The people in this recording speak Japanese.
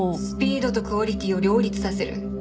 スピードとクオリティーを両立させる。